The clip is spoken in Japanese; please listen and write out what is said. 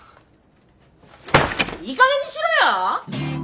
いいかげんにしろよ！